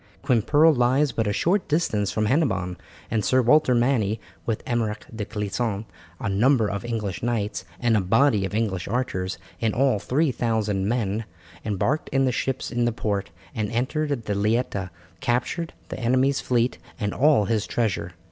Quimperle lies but a short distance from Hennebon, and Sir Walter Manny with Almeric de Clisson, a number of English knights, and a body of English archers, in all three thousand men, embarked in the ships in the port, and entering the Leita captured the enemy's fleet and all his treasure.